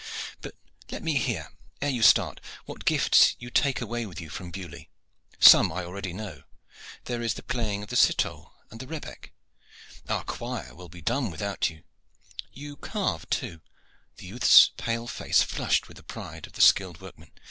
But let me hear, ere you start, what gifts you take away with you from Beaulieu? Some I already know. There is the playing of the citole and the rebeck. Our choir will be dumb without you. You carve too?" The youth's pale face flushed with the pride of the skilled workman.